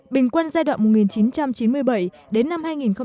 bình quân giai đoạn một nghìn chín trăm chín mươi bảy đến năm hai nghìn một mươi sáu